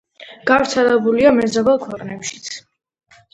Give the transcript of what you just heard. გავრცელებულია მეზობელ ქვეყნებშიც.